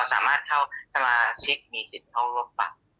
ก็สามารถเท่าสมาชิกมีสิทธิ์ดาบเกียรติพักคุม